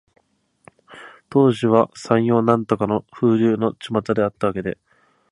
当時は、柳暗花明の風流のちまたであったわけで、